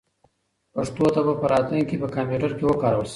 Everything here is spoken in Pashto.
پښتو به په راتلونکي کې په کمپیوټر کې وکارول شي.